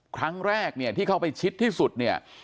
ครั้งแรกเนี่ยที่เข้าไปชิดที่สุดเนี่ย